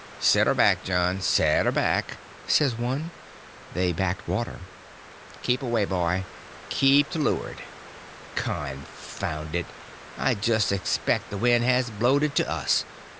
"Set her back, John, set her back!" says one. They backed water. "Keep away, boy—keep to looard. Confound it, I just expect the wind has blowed it to us.